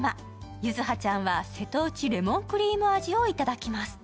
柚葉ちゃんは瀬戸内レモンクリーム味をいただきます。